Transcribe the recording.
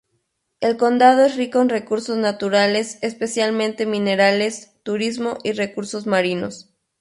El condado es rico en recursos naturales, especialmente minerales, turismo y recursos marinos.